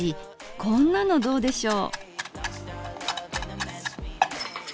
こんなのどうでしょう？